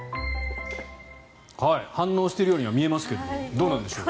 反応しているようには見えますけどどうなんでしょう。